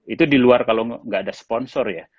itu di luar kalau nggak ada sponsor ya